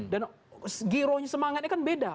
dan giro semangatnya kan beda